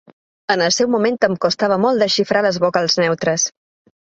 En el seu moment em costava molt desxifrar les vocals neutres.